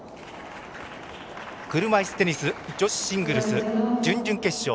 車いすテニス女子シングルス準々決勝。